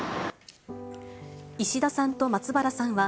石田さんと松原さんは